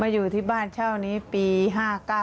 อยู่ที่บ้านเช่านี้ปี๕๙